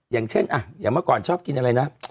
อย่างเช่นอย่างเมื่อก่อนชอบกินอะไรนะ